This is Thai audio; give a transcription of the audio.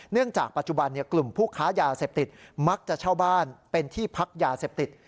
จากปัจจุบันกลุ่มผู้ค้ายาเสพติดมักจะเช่าบ้านเป็นที่พักยาเสพติด